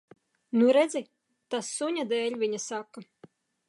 Nu, redzi. Tas suņa dēļ, viņa saka.